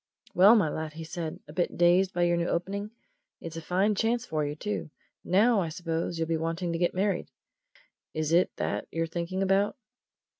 "Well, my lad," he said; "a bit dazed by your new opening? It's a fine chance for you, too! Now, I suppose, you'll be wanting to get married. Is it that you're thinking about?"